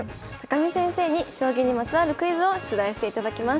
見先生に将棋にまつわるクイズを出題していただきます。